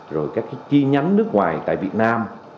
rồi các chi nhánh nước ngoài tại việt nam